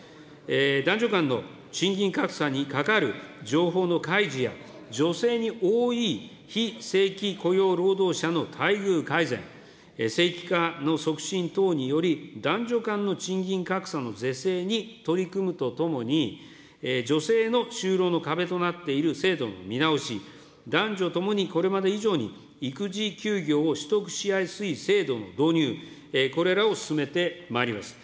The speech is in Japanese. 男女間の賃金格差にかかる情報の開示や、女性に多い非正規雇用労働者の待遇改善、正規化の促進等により、男女間の賃金格差の是正に取り組むとともに、女性の就労の壁となっている制度の見直し、男女ともにこれまで以上に育児休業を取得しやすい制度の導入、これらを進めてまいります。